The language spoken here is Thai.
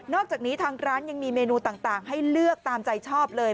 อกจากนี้ทางร้านยังมีเมนูต่างให้เลือกตามใจชอบเลย